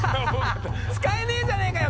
使えねえじゃねえかよ